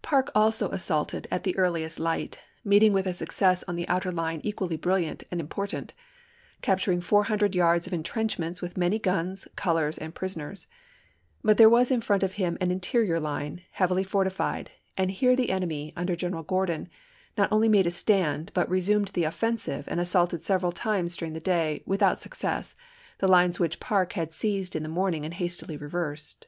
Parke also assaulted at the earliest light, meeting with a success on the outer line equally brilliant and important, capturing four hundred yards of intrenchments with many guns, colors, and prison ers. But there was in front of him an interior line, APPOMATTOX 179 heavily fortified, and here the enemy, under Gen chap. ix. eral Gordon, not only made a stand, but resumed the offensive and assaulted several times during the day, without success, the lines which Parke had seized in the morning and hastily reversed.